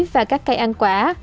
và các cây ăn quả